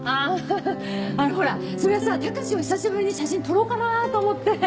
あほらそれはさ高志を久しぶりに写真撮ろうかなと思って。